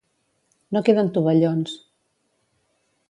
No queden tovallons.